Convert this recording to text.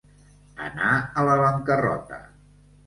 Anar a la bancarrota.